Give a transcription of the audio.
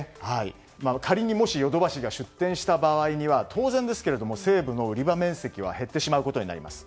仮にもしヨドバシが出店した場合には当然ですが、西武の売り場面積は減ってしまうことになります。